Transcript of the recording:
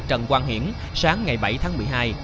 trần quang hiển sáng ngày bảy tháng một mươi hai